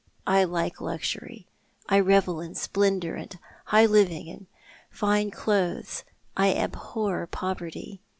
I like luxury. I revel in splendour and high living and fine clothes. I abhor poverty.